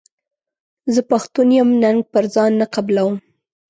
زه پښتون یم ننګ پر ځان نه قبلووم.